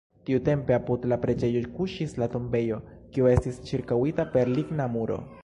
Tiutempe apud la preĝejo kuŝis la tombejo, kiu estis ĉirkaŭita per ligna muro.